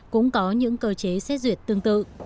cũng có những cơ chế xét duyệt tương tự